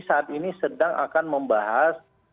saat ini sedang akan membahas